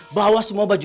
bawa semua baju